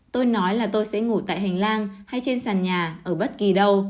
tôi nói là tôi sẽ ngủ tại hành lang hay trên sàn nhà ở bất kỳ đâu